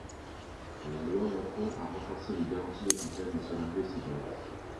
La loi Macron a renforcé les garanties applicables aux salariés de ces commerces.